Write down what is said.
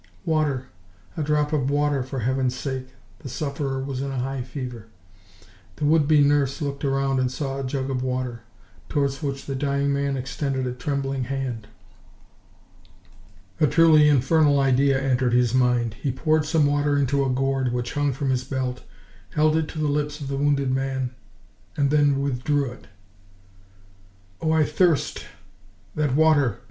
"Water, a drop of water, for Heaven's sake!" The sufferer was in a high fever. The would be nurse looked round and saw a jug of water, towards which the dying man extended a trembling hand. A truly infernal idea entered his mind. He poured some water into a gourd which hung from his belt, held it to the lips of the wounded man, and then withdrew it. "Oh! I thirst that water! .